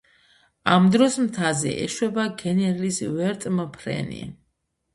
ამ დროს მთაზე ეშვება გენერლის ვერტმფრენი.